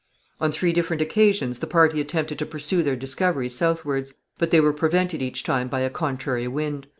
On three different occasions the party attempted to pursue their discoveries southwards, but they were prevented each time by a contrary wind.